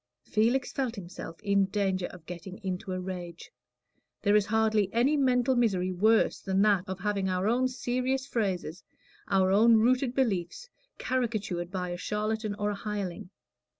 Felix felt himself in danger of getting into a rage. There is hardly any mental misery worse than that of having our own serious phrases, our own rooted beliefs, caricatured by a charlatan or a hireling.